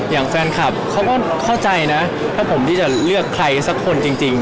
อย่างแฟนคลับเขาก็เข้าใจนะถ้าผมที่จะเลือกใครสักคนจริง